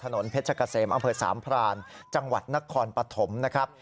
ถนนเพชรเกษมอำเภอสามพรานจังหวัดนครปฐมนะครับ